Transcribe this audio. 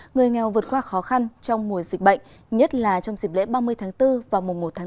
người nghèo vượt qua khó khăn trong mùa dịch bệnh nhất là trong dịp lễ ba mươi tháng bốn và mùa một tháng bốn